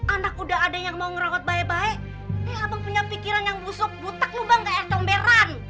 anak udah ada yang mau ngerawat baik baik ya abang punya pikiran yang busuk butak lu bang gak ada somberan